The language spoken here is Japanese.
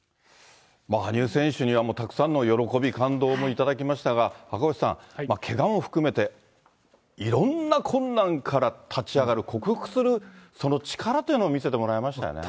羽生選手には、もうたくさんの喜び、感動も頂きましたが、赤星さん、けがも含めて、いろんな困難から立ち上がる、克服するその力というのを見せてもらいましたよね。